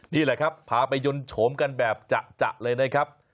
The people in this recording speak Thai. นี่แหละครับพาไปยนต์โฉมกันแบบจะเลยนะครับ